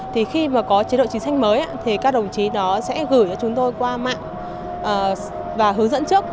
thì khi mà có chế độ chiến tranh mới các đồng chí sẽ gửi cho chúng tôi qua mạng và hướng dẫn trước